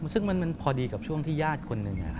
ซึ่งมันพอดีกับช่วงที่ญาติคนหนึ่ง